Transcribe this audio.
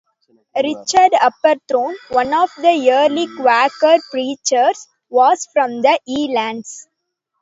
Richard Hubberthorne, one of the early Quaker preachers was from the Yealands.